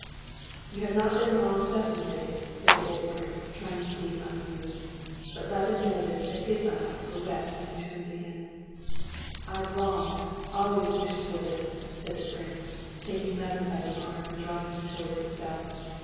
"You've not been long settling things," said the old prince, trying to seem unmoved; but Levin noticed that his eyes were wet when he turned to him. "I've long, always wished for this!" said the prince, taking Levin by the arm and drawing him towards himself.